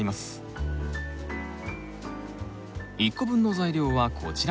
１個分の材料はこちら。